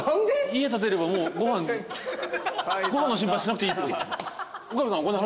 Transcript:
家建てればもうご飯の心配しなくていい。